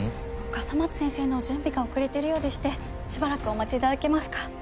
笠松先生の準備が遅れてるようでしてしばらくお待ち頂けますか？